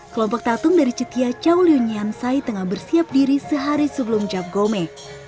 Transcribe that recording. kelompok tatung dari cetia cao liu nian sai tengah bersiap diri sehari sebelum jab gome